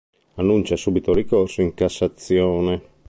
Annuncia subito ricorso in Cassazione.